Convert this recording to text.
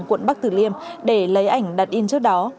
quận bắc tử liêm để lấy ảnh đặt in trước đó